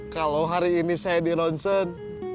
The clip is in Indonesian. kalau hari ini saya di ronsen